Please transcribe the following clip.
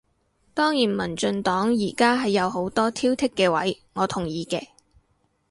當然民進黨而家係有好多挑剔嘅位，我同意嘅